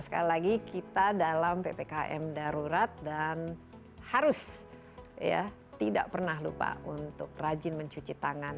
sekali lagi kita dalam ppkm darurat dan harus ya tidak pernah lupa untuk rajin mencuci tangan